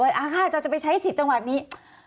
ว่าอ้าวข้าจะไปใช้สิทธิ์จังหวัดนี้